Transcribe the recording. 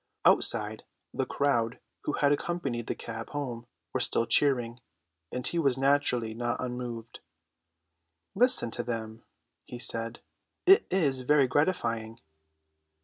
Outside, the crowd who had accompanied the cab home were still cheering, and he was naturally not unmoved. "Listen to them," he said; "it is very gratifying."